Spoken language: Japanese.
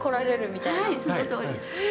はい、そのとおりです。